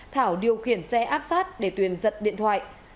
thảo điều khiển xe áp sát để tuyền giật điện thoại